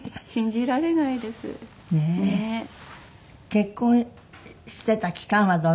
結婚していた期間はどのくらい？